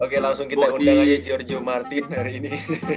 oke langsung kita undang aja georgio martin hari ini